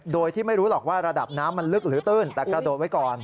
โดยที่ไม่รู้หรอกว่าระดับน้ำมันลึกหรือตื้นแต่กระโดดไว้ก่อน